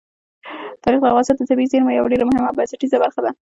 تاریخ د افغانستان د طبیعي زیرمو یوه ډېره مهمه او بنسټیزه برخه ده.